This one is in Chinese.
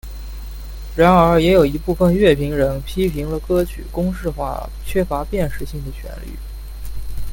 然而也有一部分乐评人批评了歌曲公式化缺乏辨识性的旋律。